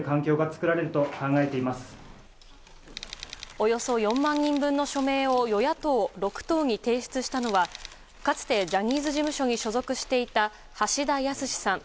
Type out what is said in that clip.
およそ４万人分の署名を与野党６党に提出したのはかつてジャニーズ事務所に所属していた橋田康さん